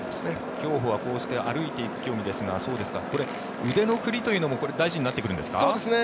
競歩はこうして歩いていく競技ですがこれ、腕の振りというのも大事になってくるんですか。